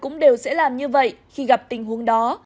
chúng ta đều sẽ làm như vậy khi gặp tình huống đó